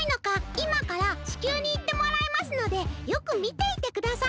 いまから地球にいってもらいますのでよくみていてください。